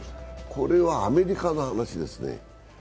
これはアメリカの話ですね。